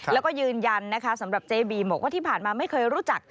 แล้วก็ยืนยันนะคะสำหรับเจบีบอกว่าที่ผ่านมาไม่เคยรู้จัก